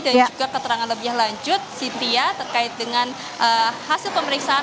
dan juga keterangan lebih lanjut cynthia terkait dengan hasil pemeriksaan